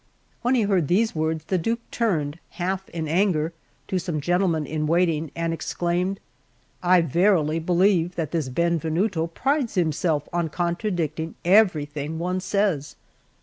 When he heard these words, the Duke turned, half in anger, to some gentlemen in waiting, and exclaimed: "I verily believe that this Benvenuto prides himself on contradicting everything one says."